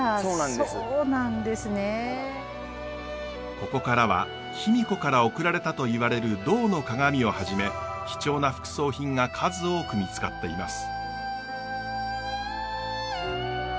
ここからは卑弥呼から送られたといわれる銅の鏡をはじめ貴重な副葬品が数多く見つかっています。